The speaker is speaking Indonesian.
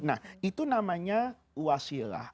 nah itu namanya wasilah